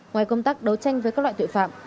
ngoài công tác đấu tranh với các loại tội phạm